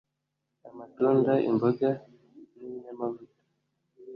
amatunda imboga ni binyamavuta